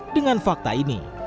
dengan fakta ini